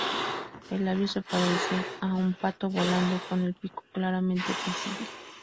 El labio se parece a un pato volando con el pico claramente visible.